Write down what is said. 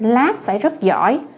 lab phải rất giỏi